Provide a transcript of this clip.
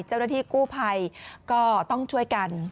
เจ้าหน้าที่กู้ภัยก็ต้องช่วยกัน